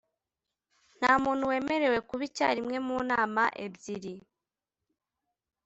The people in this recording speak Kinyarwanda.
Nta muntu wemerewe kuba icyarimwe mu nama ebyiri